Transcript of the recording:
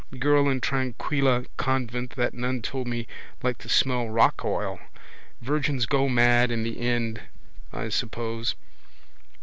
Girl in Tranquilla convent that nun told me liked to smell rock oil. Virgins go mad in the end I suppose.